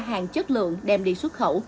hàng chất lượng đem đi xuất khẩu